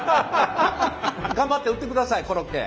頑張って売ってくださいコロッケ。